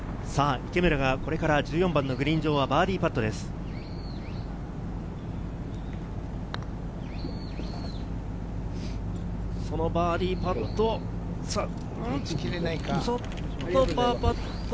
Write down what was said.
池村がこれから、１４番のグリーン上のバーディーパットです。